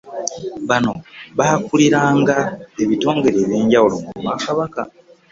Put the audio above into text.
Bano baakuliranga ebitongole eby'enjawulo mu Bwakabaka.